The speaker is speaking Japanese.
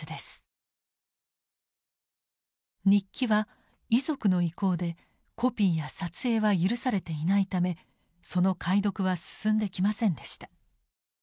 日記は遺族の意向でコピーや撮影は許されていないためその解読は進んできませんでした。